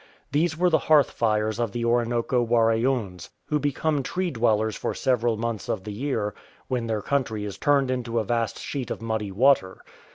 These were the hearth fires of the Orinoco AVaraoons, who become tree dwellers for several months of the year when their country is tui'ned into a vast sheet of muddy water.